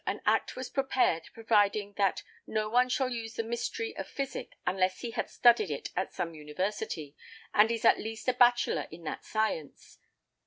an Act was prepared, providing that "no one shall use the mysterie of fysyk, unless he hath studied it at some university, and is at least a bachelor in that science.